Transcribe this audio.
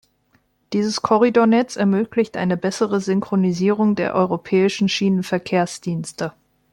Dieses Korridornetz ermöglicht eine bessere Synchronisierung der europäischen Schienenverkehrsdienste.